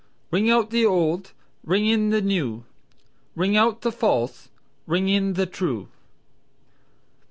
"Ring out the old, ring in the new, Ring out the false, ring in the true."